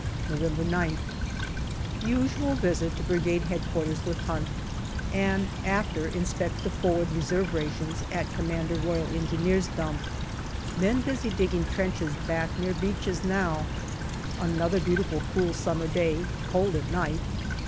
November 9th. Usual visit to Brigade H.Q. with Hunt, and after, inspect the forward reserve rations at C.R.E. dump. Men busy digging trenches back near beaches now. Another beauti ful cool summer day, cold at night.